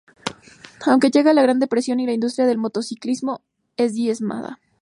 Aunque llega la Gran Depresión y la industria del motociclismo es diezmada.